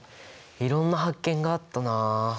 いろんな発見があったな。